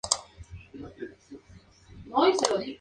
Es una especie que se distribuye por Estados Unidos y Canadá.